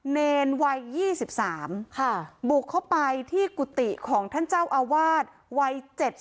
เนรวัย๒๓บุกเข้าไปที่กุฏิของท่านเจ้าอาวาสวัย๗๐